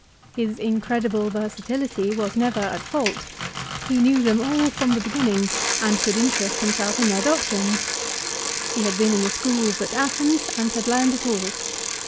His incredible versatility was never at fault. He knew them all from the beginning, and could interest himself in their doctrines. He had been in the schools at Athens, and had learned it all.